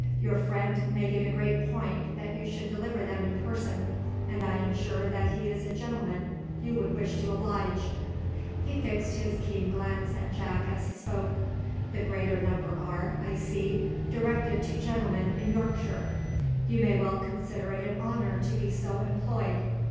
Your friend made it a great point that you should deliver them in person, and I am sure that he is a gentleman you would wish to oblige." He fixed his keen glance at Jack as he spoke. "The greater number are, I see, directed to gentlemen in Yorkshire. You may well consider it an honour to be so employed.